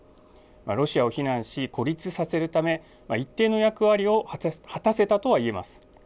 ロシアを非難し、孤立させるため一定の役割を果たせたとは言えます。